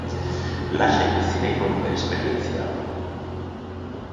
Lasai bizi nahiko nuke esperientzia hau.